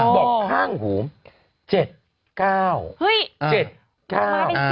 บอกข้างหูเจ็ดเก้าเจ็ดเก้า